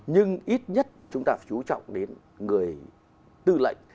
nhưng ít nhất chúng ta phải chú trọng đến người tư lệnh